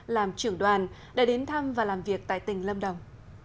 làm trưởng đoàn đã đến thăm và làm việc tại tỉnh lâm đồng